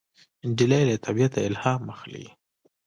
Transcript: نجلۍ له طبیعته الهام اخلي.